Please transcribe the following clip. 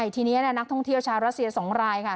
ทีนี้นักท่องเที่ยวชาวรัสเซีย๒รายค่ะ